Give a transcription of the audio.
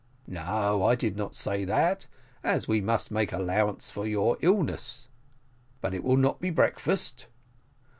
"No, I do not say that, as we must make allowances for your illness; but it will not be breakfast."